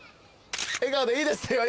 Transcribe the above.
笑顔でいいですよ。